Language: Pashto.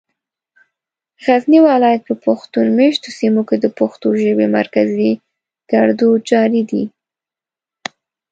غزني ولايت په پښتون مېشتو سيمو کې د پښتو ژبې مرکزي ګړدود جاري دی.